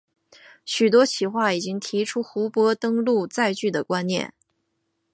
许多企划已经提出湖泊登陆载具的观念。